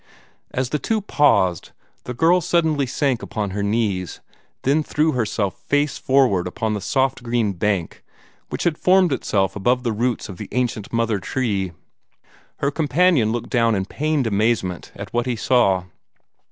As the two paused, the girl suddenly sank upon her knees, then threw herself face forward upon the soft green bark which had formed itself above the roots of the ancient mother tree. Her companion looked down in pained amazement at what he saw.